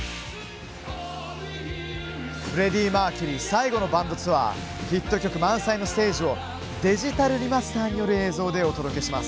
フレディ・マーキュリー最後のバンドツアーヒット曲満載のステージをデジタルリマスターによる映像でお届けします。